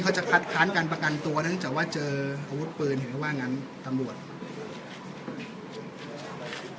จะคัดค้านการประกันตัวเนื่องจากว่าเจออาวุธปืนเห็นเขาว่างั้นตำรวจ